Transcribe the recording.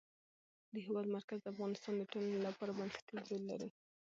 د هېواد مرکز د افغانستان د ټولنې لپاره بنسټيز رول لري.